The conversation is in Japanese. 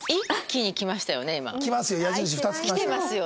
来ますよ。